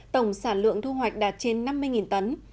tổng sản lượng thu hoạch đạt trên năm mươi tấn